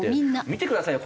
見てくださいよ。